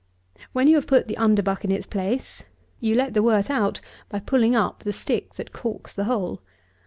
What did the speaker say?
When you have put the underbuck in its place, you let out the wort by pulling up the stick that corks the whole.